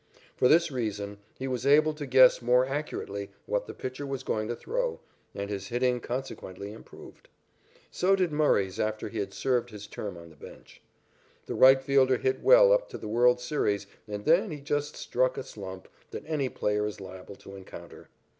For this reason he was able to guess more accurately what the pitcher was going to throw, and his hitting consequently improved. So did Murray's after he had served his term on the bench. The right fielder hit well up to the world's series and then he just struck a slump that any player is liable to encounter.